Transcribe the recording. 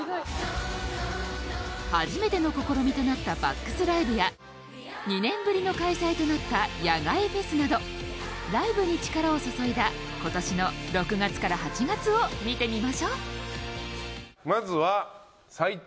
初めての試みとなったＢＡＣＫＳＬＩＶＥ！！や２年ぶりの開催となった野外フェスなどライブに力を注いだ今年の６月から８月を見てみましょうまずは齋藤。